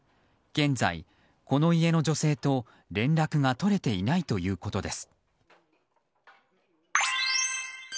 現在、この家の女性と連絡が取れていないということです。